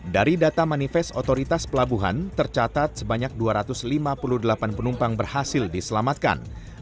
dari data manifest otoritas pelabuhan tercatat sebanyak dua ratus lima puluh delapan penumpang berhasil diselamatkan